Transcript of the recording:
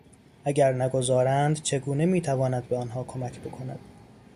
اگر نگذارند چگونه میتواند به آنها کمک بکند؟